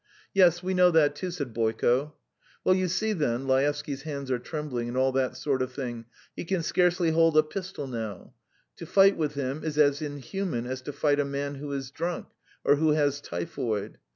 "Yes, we know that too," said Boyko. "Well, you see, then ... Laevsky's hands are trembling and all that sort of thing ... he can scarcely hold a pistol now. To fight with him is as inhuman as to fight a man who is drunk or who has typhoid.